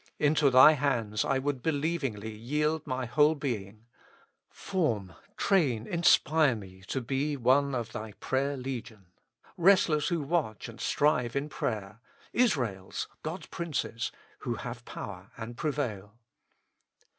Into Thy hands I would believingly yield my whole being : form, train, inspire me to be one of Thy prayer legion, wrestlers who watch and strive in prayer, Israels, God's princes, who have power and prevail.